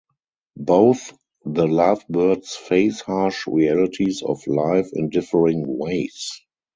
Both the lovebirds face harsh realities of life in differing ways.